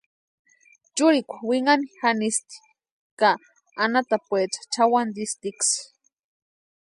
Churikwa winhani janisti ka anhatapuecha chʼawantistiksï.